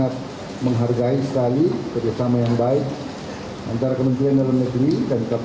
pertama di seluruh indonesia